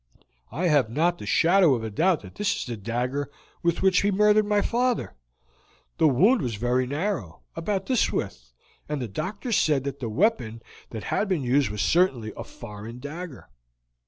"I have not a shadow of doubt that this is the dagger with which he murdered my father. The wound was very narrow, about this width, and the doctor said that the weapon that had been used was certainly a foreign dagger."